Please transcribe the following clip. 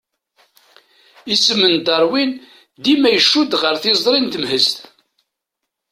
Isem n Darwin dima icudd ɣer tiẓri n temhezt.